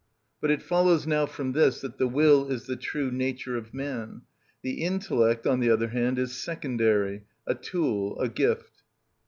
But it follows now from this that the will is the true nature of man; the intellect, on the other hand, is secondary, a tool, a gift.